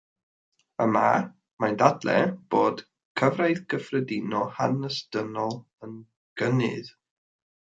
Yma, mae'n dadlau bod cyfraith gyffredinol hanes dynol yn gynnydd.